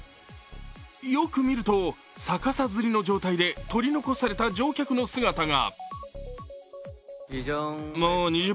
よく見ると、逆さづりの状態で取り残された乗客の姿が。